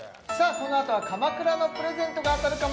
このあとは鎌倉のプレゼントが当たるかも？